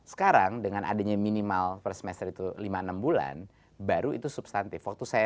sekarang dengan adanya minimal per semester itu lima enam bulan baru itu substantif waktu saya